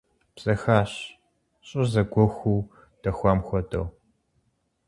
Бзэхащ, щӀыр зэгуэхуу дэхуам хуэдэу.